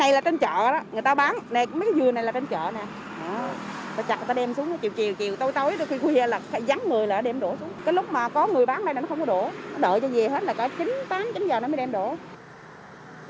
cái lúc mà có người bán này nó không có đổ đợi cho về hết là cả chín h tám h chín h nó mới đem đổ